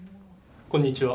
こんにちは。